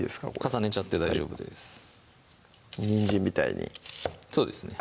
重ねちゃって大丈夫ですにんじんみたいにそうですね